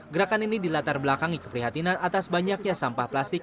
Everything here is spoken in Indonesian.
gerakan ini dilatar belakangi keprihatinan atas banyaknya sampah plastik